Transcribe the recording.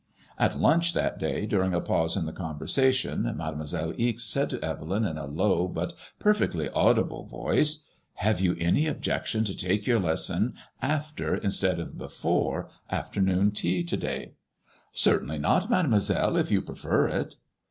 At luncheon that day, during a pause in the conversation, Made moiselle Ixe said to Evelyn in a low but perfectly audible voice — ''Have you any objection to take your lesson after, instead of before afternoon tea to day ?"Certainly not, Mademoiselle, if you prefer it."